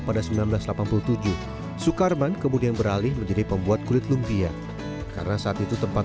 pada seribu sembilan ratus delapan puluh tujuh sukarman kemudian beralih menjadi pembuat kulit lumpia karena saat itu tempat